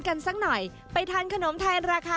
สักหน่อยไปทานขนมแทนราคา